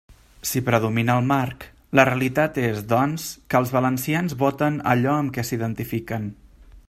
Si predomina el marc, la realitat és, doncs, que els valencians voten allò amb què s'identifiquen.